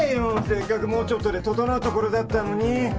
せっかくもうちょっとで整うところだったのに！